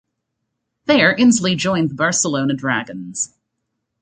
There, Insley joined the Barcelona Dragons.